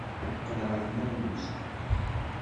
Teqqel ɣer tneɣlust.